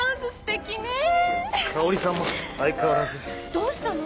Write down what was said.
どうしたの？